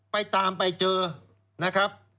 ไปตามไปเจอนะครับ